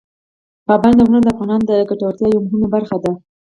پابندي غرونه د افغانانو د ګټورتیا یوه مهمه برخه ده.